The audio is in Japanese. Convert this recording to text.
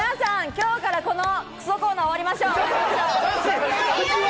今日からこのクソコーナー、終わりましょう。